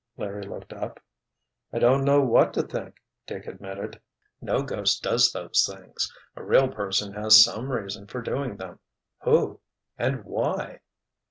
Larry looked up. "I don't know what to think," Dick admitted. "No ghost does those things. A real person has some reason for doing them. Who? And why?"